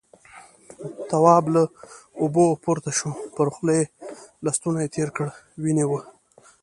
تواب له اوبو پورته شو، پر خوله يې لستوڼی تېر کړ، وينې وه.